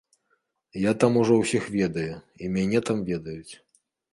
Я там ужо ўсіх ведаю, і мяне там ведаюць.